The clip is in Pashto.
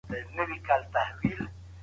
د جانان ژوند يې يو قدم سو، شپه خوره سوه خدايه